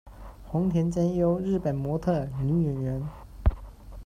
横田真悠，日本模特儿、女演员。